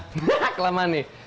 hah kelamaan nih